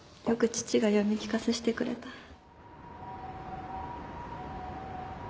よく父が読み聞かせしてくれた